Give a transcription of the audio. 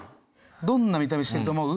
どんな見た目してると思う？